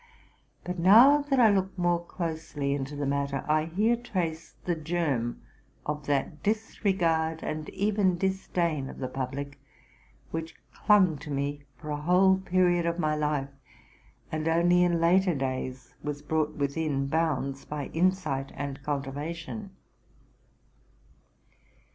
But, now that I look more closely into the matter, I here trace the germ of that disregard and even disdain of the pub lic, which clung to me for a whole period of my life, and only in later days was brought within bounds by insight and culti vation.